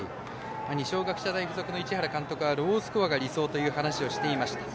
二松学舎大付属の市原監督は、ロースコアが理想という話をしていました。